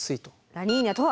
ラニーニャとは？